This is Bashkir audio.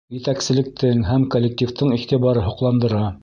Етәкселектең һәм коллективтың иғтибары һоҡландыра.